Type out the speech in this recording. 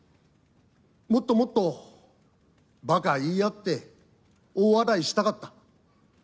もっともっとばか言い合って、大笑いしたかった。